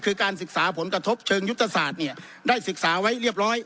คือการศึกษาผลกระทบเชิงยุทธศาสตร์เนี่ยได้ศึกษาไว้เรียบร้อย